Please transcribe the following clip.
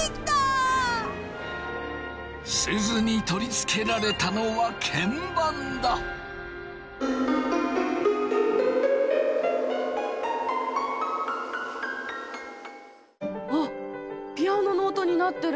すずに取り付けられたのはあっピアノの音になってる。